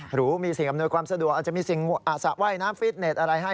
หรือมีสิ่งอำนวยความสะดวกอาจจะมีสิ่งสระว่ายน้ำฟิตเน็ตอะไรให้